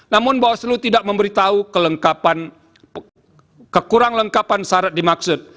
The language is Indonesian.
namun bawaslu tidak memberitahu kelengkap kekurang lengkapan syarat dimaksud